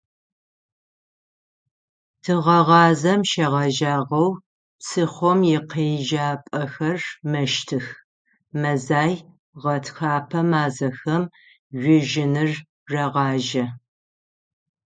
Тыгъэгъазэм щегъэжьагъэу псыхъом икъежьапӏэхэр мэщтых, мэзай – гъэтхэпэ мазэхэм жъужьыныр рагъажьэ.